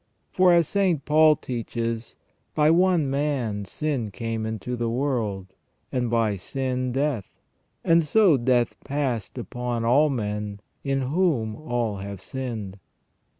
For, as St. Paul teaches :" By one man sin came into the world, and by sin death : and so death passed upon all men in whom all have sinned